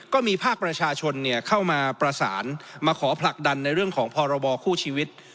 ก็มีภาคประชาชนเข้ามาประสานมาขอผลักดันในเรื่องของพรบคู่ชีวิต